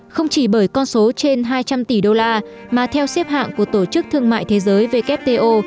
không chỉ bởi con số trên hai trăm linh tỷ đô la mà theo xếp hạng của tổ chức thương mại thế giới wto